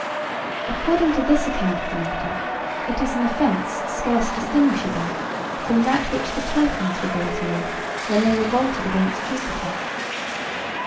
According to this account of the matter it is an offence scarce distinguishable from that which the Titans were guilty of when they revolted against Jupiter.